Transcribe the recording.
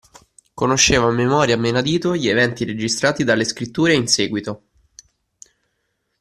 Conosceva a memoria e menadito gli eventi registrati dalle scritture in seguito.